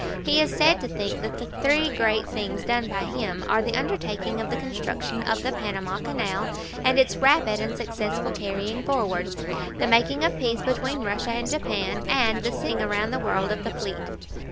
He is said to think that the three great things done by him are the undertaking of the construction of the Panama Canal and its rapid and successful carrying forward, the making of peace between Russia and Japan, and the sending around the world of the fleet.